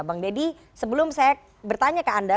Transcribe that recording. bang deddy sebelum saya bertanya ke anda